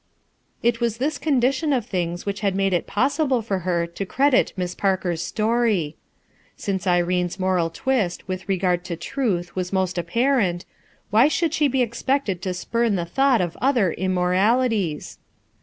It was this condition of things which had made it possible for her to credit Miss Parker's story. Since Irene's moral twist with regard to truth was most apparent, why should she bo expected to spurn the thought of other im moralities?